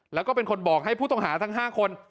แล้วก็เป็นคนบอกให้ผู้ต้องหาทั้ง๕คน